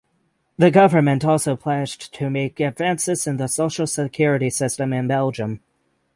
The government also pledged to make advances in the social security system in Belgium.